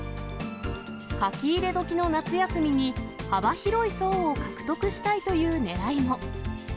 書き入れ時の夏休みに、幅広い層を獲得したいというねらいも。